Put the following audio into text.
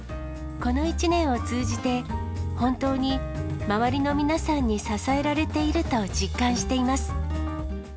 この１年を通じて、本当に周りの皆さんに支えられていると実感しています。